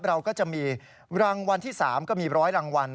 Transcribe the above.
เราก็จะมีรางวัลที่๓ก็มี๑๐๐รางวัล